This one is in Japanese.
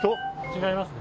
違いますね。